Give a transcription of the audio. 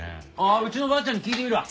うちのばあちゃんに聞いてみるわ。